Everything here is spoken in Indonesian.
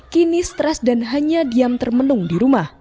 kini stres dan hanya diam termenung di rumah